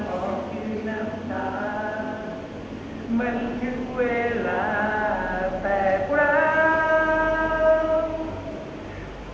ขอบคุณทุกคนมากครับที่รักโจมตีที่ทุกคนรัก